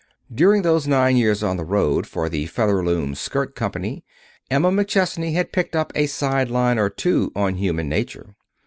During those nine years on the road for the Featherloom Skirt Company Emma McChesney had picked up a side line or two on human nature.